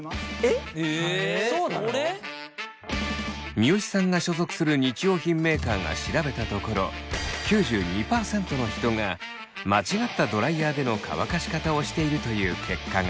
三好さんが所属する日用品メーカーが調べたところ９２％の人が間違ったドライヤーでの乾かし方をしているという結果が。